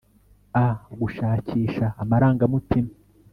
a-gushakisha amarangamutima